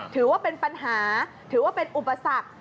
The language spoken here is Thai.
ถือว่าเป็นปัญหาถือว่าเป็นอุปสรรค